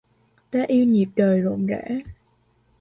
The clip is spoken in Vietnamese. Ta yêu nhịp đời rộn rã